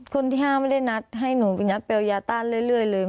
คนที่๕ไม่ได้นัดให้หนูยัดเบลยาต้านเรื่อยเลย